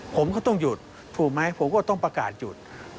ผมก็ต้องหยุดถูกไหมผมก็ต้องประกาศหยุด